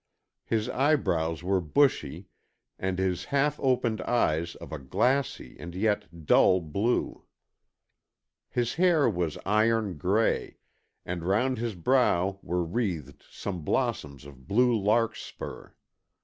His eyebrows were bushy, and his half opened eyes of a glassy and yet dull blue. His hair was iron gray, and round his brow were wreathed some blossoms of blue larkspur.